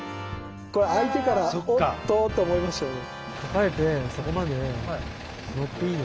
これ開いてから「おっと」と思いましたね。